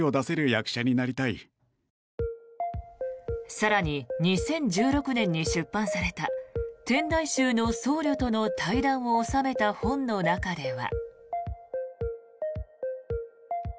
更に、２０１６年に出版された天台宗の僧侶との対談を収めた本の中では。